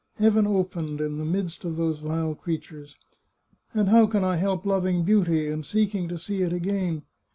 Heaven opened, in the midst of those vile creatures. And how can I help loving beauty, and seeking to see it again?